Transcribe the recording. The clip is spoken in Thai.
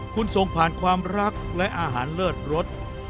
คุณส่งผ่านความรักและอาหารเลิศรส